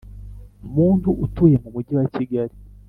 muntu utuye mu mujyi wa kigali